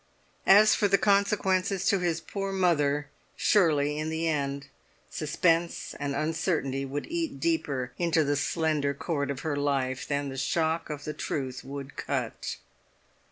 As for the consequences to his poor mother, surely in the end suspense and uncertainty would eat deeper into the slender cord of her life than the shock of the truth would cut.